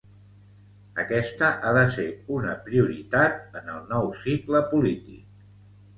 Aquesta ha de ser una prioritat en el nou cicle polític.